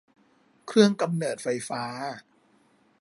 เครื่องกำเนิดไฟฟ้า